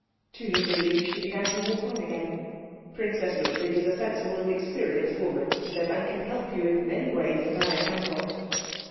To his relief she began to walk on again. "Princess Ludwig is a sensible and experienced woman," he said, "and can help you in many ways that I cannot."